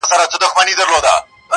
په دې غار کي چي پراته کم موږکان دي,